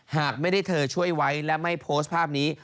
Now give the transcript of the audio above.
หากไม่ได้เธอช่วยไว้และไม่โพสต์ภาพนี้